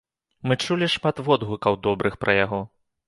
Мы чулі шмат водгукаў добрых пра яго.